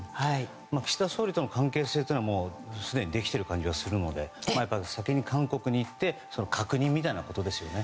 岸田総理との関係性はすでにできていると思うので先に韓国に行って確認するみたいなことですね。